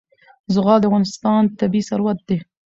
زغال د افغانستان طبعي ثروت دی.